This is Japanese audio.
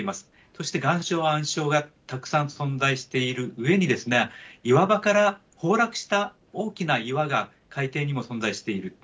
そして岩礁や暗礁がたくさん存在しているうえにですね、岩場から崩落した大きな岩が海底にも存在している。